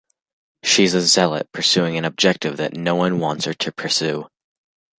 She's a zealot pursuing an objective that no-one wants her to pursue.